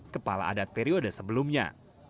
kepala adat periode sebelumnya